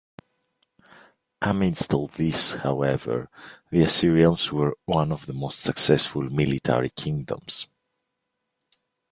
Amidst all this, however, the Assyrians were one of the most successful military kingdoms.